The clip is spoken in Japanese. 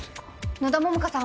野田桃花さん